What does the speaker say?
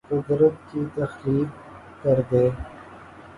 قدرت کی تخلیق کردہ